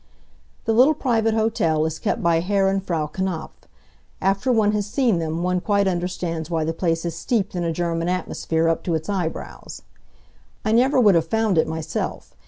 The little private hotel is kept by Herr and Frau Knapf. After one has seen them, one quite understands why the place is steeped in a German atmosphere up to its eyebrows. I never would have found it myself.